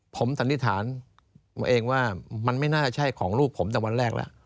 ผมสันนิษฐานเองว่ามันไม่น่าจะใช่ของลูกผมตั้งแต่วันแรกแล้ว